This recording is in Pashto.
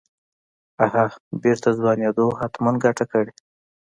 اها بېرته ځوانېدو حتمن ګته کړې.